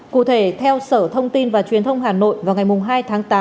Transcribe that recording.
cụ thể theo sở thông tin và truyền thông hà nội vào ngày hai tháng tám